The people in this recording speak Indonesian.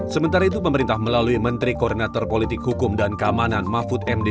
sementara itu pemerintah melalui menteri koordinator politik hukum dan keamanan mahfud md